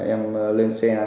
em lên xe